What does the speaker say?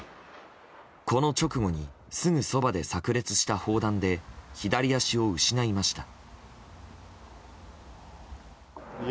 この直後に、すぐそばで炸裂した砲弾で左足を失いました。